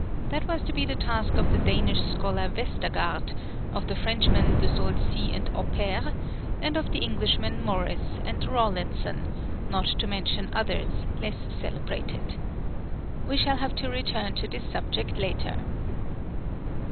That was to be the task of the Danish scholar Westergaard, of the Frenchmen De Saulcy and Oppert, and of the Englishmen Morris and Rawlinson, not to mention others less celebrated. We shall have to return to this subject later.